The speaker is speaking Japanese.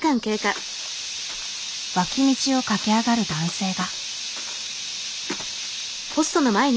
脇道を駆け上がる男性が。